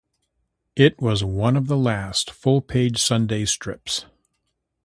It was one of the last full page Sunday strips.